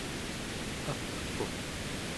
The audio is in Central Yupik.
akquq